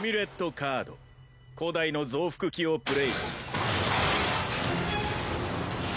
カード古代の増幅器をプレイ。